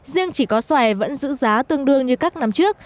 riêng chỉ có xoài vẫn giữ giá tương đương như các năm trước